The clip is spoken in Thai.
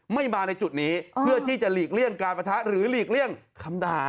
มาในจุดนี้เพื่อที่จะหลีกเลี่ยงการประทะหรือหลีกเลี่ยงคำด่า